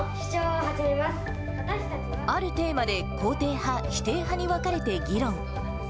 あるテーマで肯定派、否定派に分かれて議論。